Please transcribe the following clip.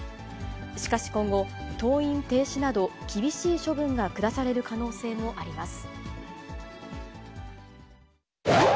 しかし、今後、登院停止など、厳しい処分が下される可能性もあります。